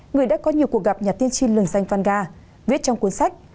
người đã có nhiều cuộc gặp nhà tiên tri lường danh vanga viết trong cuốn sách